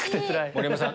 盛山さん